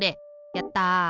やった！